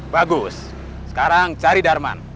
bagus sekarang cari darman